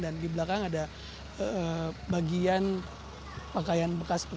dan di belakang ada bagian pakaian bekas